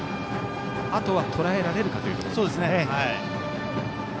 あとはとらえられるかというところ。